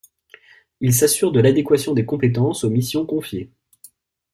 Ils s’assurent de l’adéquation des compétences aux missions confiées.